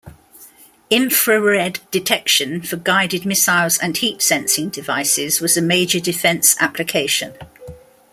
Infrared detection for guided missiles and heat sensing devices was a major defence application.